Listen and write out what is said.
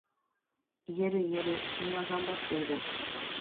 言える言える、君は頑張っている。